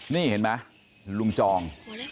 นี่เห็นไหมลุงจอง